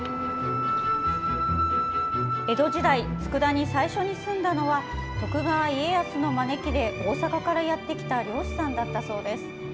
江戸時代、佃に最初に住んだのは、徳川家康の招きで大阪からやって来た漁師さんだったそうです。